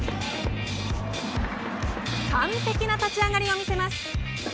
完璧な立ち上がりを見せます。